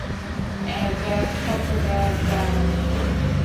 অ্যাজাক সত্যটা জানতো?